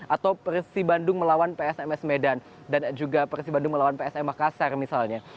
atau persi bandung melawan psms medan dan juga persibandung melawan psm makassar misalnya